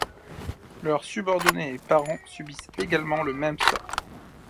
Leurs subordonnés et parents subissent également le même sort.